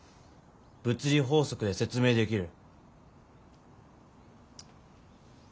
物理法則で説明できる。